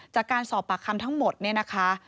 จากการสอบปากคำทั้งหมดเนี่ยนะคะ